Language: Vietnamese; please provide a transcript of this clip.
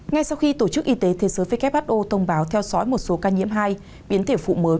ngay sau khi tổ chức y tế thế giới who thông báo theo dõi một số ca nhiễm hai biến thể phụ mới